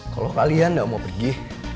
kalau kalian gak mau pergi